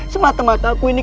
semata mata aku ini